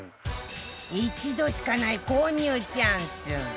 一度しかない購入チャンス